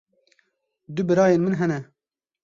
Du birayên min hene.